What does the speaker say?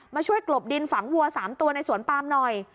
ช่วยกลบดินฝังวัว๓ตัวในสวนปามหน่อย